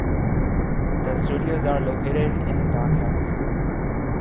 The studios are located in Dock House.